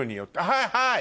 はいはい！